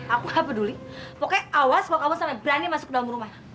aku gak peduli pokoknya awas mau kamu sampe berani masuk ke dalam rumah